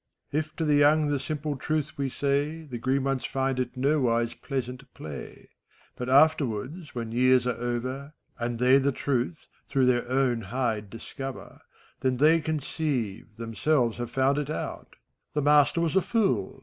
If to the young the simple truth we say, The green ones find it nowise pleasant play; But afterwards, when years are over. And tbey the truth through their own hide discover, Then they conceive, themselves have found it out : "The master was a fool